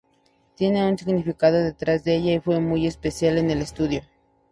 Tiene un significado detrás de ella y fue muy especial en el estudio.